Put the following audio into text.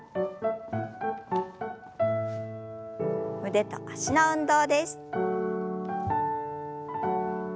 腕と脚の運動です。